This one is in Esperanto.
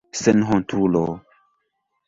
Senhontulo!